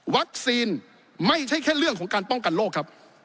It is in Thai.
ไม่ใช่แค่เรื่องของการป้องกันโรคครับ